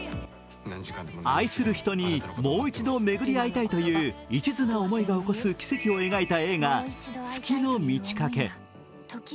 愛する人にもう一度めぐり逢いたいという一途な思いが起こす奇跡を描いた映画「月の満ち欠け」。